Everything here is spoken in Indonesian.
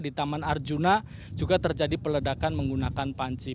di taman arjuna juga terjadi peledakan menggunakan panci